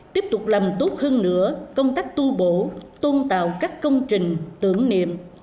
tiếp tục làm tốt hơn nữa công tác tu bổ tôn tạo các công trình tưởng niệm